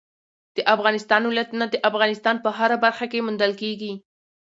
د افغانستان ولايتونه د افغانستان په هره برخه کې موندل کېږي.